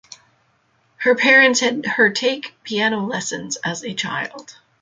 Her parents had her take piano lessons as a child.